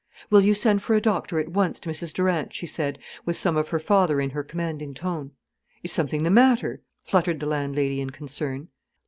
"Will you send for a doctor at once to Mrs Durant," she said, with some of her father in her commanding tone. "Is something the matter?" fluttered the landlady in concern.